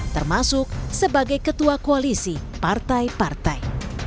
termasuk sebagai ketua koalisi partai partai